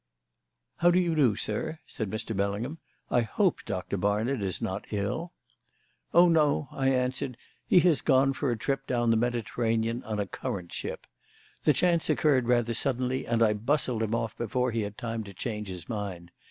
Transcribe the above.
"How do you do, sir?" said Mr. Bellingham. "I hope Doctor Barnard is not ill." "Oh, no," I answered; "he has gone for a trip down the Mediterranean on a currant ship. The chance occurred rather suddenly, and I bustled him off before he had time to change his mind.